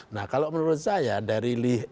nah kalau menurut saya dari